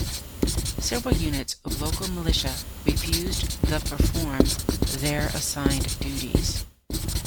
Several units of local militia refused the perform their assigned duties.